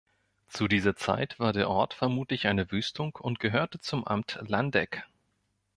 Zu dieser Zeit war der Ort vermutlich eine Wüstung und gehörte zum Amt Landeck.